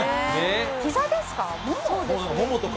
ひざですか？